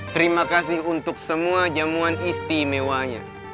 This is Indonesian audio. terima kasih untuk semua jamuan istimewanya